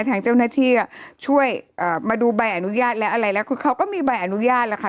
ทางเจ้าหน้าที่ช่วยมาดูใบอนุญาตและอะไรแล้วคือเขาก็มีใบอนุญาตแล้วค่ะ